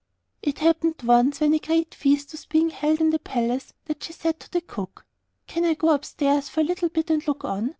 It happened once when a great feast was being held in the palace, that she said to the cook, 'Can I go upstairs for a little bit and look on?